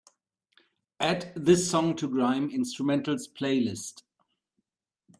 add this song to grime instrumentals playlist